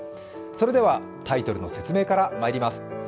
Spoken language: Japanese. それではタイトルの説明からまいります。